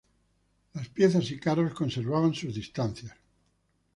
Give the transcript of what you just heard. Las piezas y carros conservaban sus distancias.